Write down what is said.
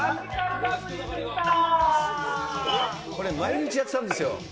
これ、毎日やってたんですよ。